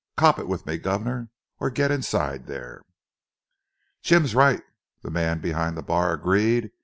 'Op it with me, guvnor, or get inside there." "Jim's right," the man behind the bar agreed.